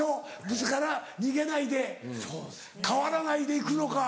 自ら逃げないで変わらないで行くのか。